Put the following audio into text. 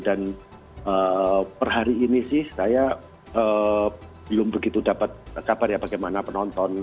dan per hari ini sih saya belum begitu dapat kabar ya bagaimana penonton